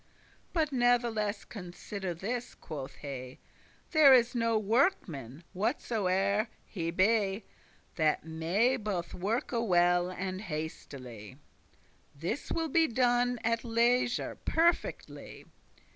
But natheless consider this," quoth he, "There is no workman, whatsoe'er he be, That may both worke well and hastily: This will be done at leisure perfectly.